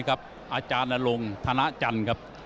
อาจารย์นรงค์ธนาจันทร์